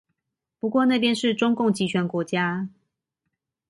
不過那邊是中共極權國家